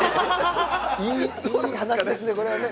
いい話ですね、これはね。